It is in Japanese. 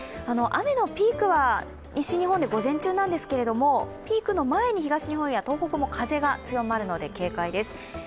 雨のピークは西日本で午前中なんですけれどもピークの前に東日本や東北も風が強まるので、警戒です。